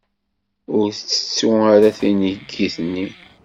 Ur ttettu ara tinigit-nni.